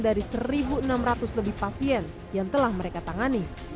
dari satu enam ratus lebih pasien yang telah mereka tangani